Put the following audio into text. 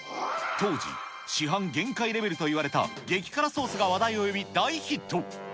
当時、市販限界レベルといわれた激辛ソースが話題を呼び大ヒット。